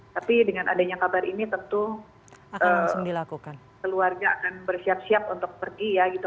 tapi dengan adanya kabar ini tentu keluarga akan bersiap siap untuk pergi ya gitu